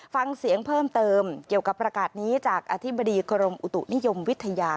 ฟังเสียงเพิ่มเติมเกี่ยวกับประกาศนี้จากอธิบดีกรมอุตุนิยมวิทยา